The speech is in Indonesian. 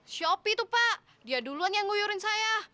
si opie tuh pak dia duluan yang nguyurin saya